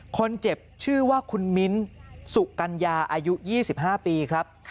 คนเจ็บชื่อว่าคุณมิ้นสุกัญญาอายุ๒๕ปีครับ